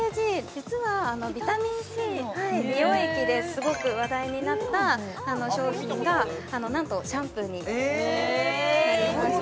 実はビタミンＣのビタミンＣのはい美容液ですごく話題になった商品がなんとシャンプーになりました